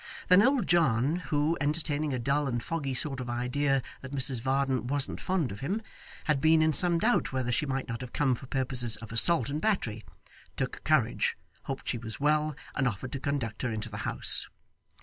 Then old John, who, entertaining a dull and foggy sort of idea that Mrs Varden wasn't fond of him, had been in some doubt whether she might not have come for purposes of assault and battery, took courage, hoped she was well, and offered to conduct her into the house.